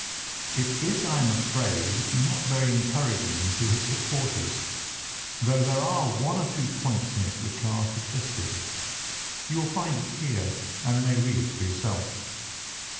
"It is, I am afraid, not very encouraging to his supporters, though there are one or two points in it which are suggestive. You will find it here, and may read it for yourself."